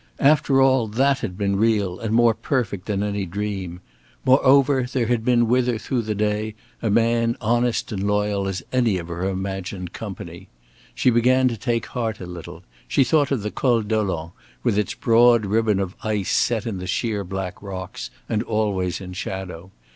After all that had been real, and more perfect than any dream. Moreover, there had been with her through the day a man honest and loyal as any of her imagined company. She began to take heart a little; she thought of the Col Dolent with its broad ribbon of ice set in the sheer black rocks, and always in shadow.